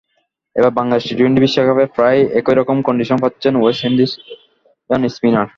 এবার বাংলাদেশে টি-টোয়েন্টি বিশ্বকাপে প্রায় একই রকম কন্ডিশন পাচ্ছেন ওয়েস্ট ইন্ডিয়ান স্পিনার।